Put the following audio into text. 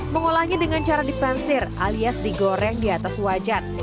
mengolahnya dengan cara dipansir alias digoreng di atas wajan